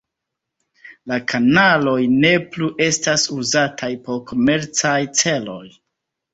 La kanaloj ne plu estas uzataj por komercaj celoj.